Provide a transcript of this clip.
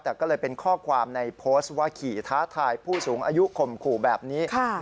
แต่ก็เลยเป็นข้อความในโพสต์ว่าขี่ท้าทายผู้สูงอายุข่มขู่แบบนี้